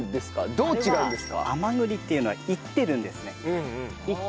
どう違うんですか？